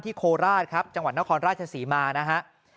โคราชครับจังหวัดนครราชศรีมานะฮะ